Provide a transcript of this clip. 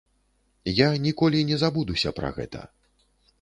Я ніколі не забудуся пра гэта.